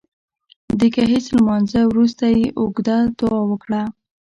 د ګهیځ لمانځه وروسته يې اوږده دعا وکړه